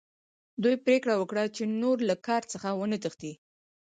دوی پریکړه وکړه چې نور له کار څخه ونه تښتي